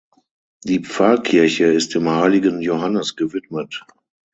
Die Pfarrkirche ist dem Heiligen Johannes gewidmet.